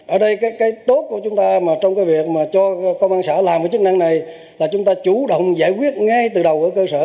ở đây cái tốt của chúng ta mà trong cái việc mà cho công an xã làm cái chức năng này là chúng ta chủ động giải quyết ngay từ đầu ở cơ sở